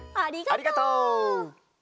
ありがとう！